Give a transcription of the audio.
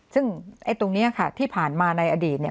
ซึ่งไอ้ตรงนี้ค่ะที่ผ่านมาในอดีตเนี่ย